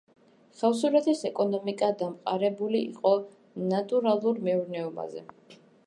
ხევსურეთის ეკონომიკა დამყარებული იყო ნატურალურ მეურნეობაზე.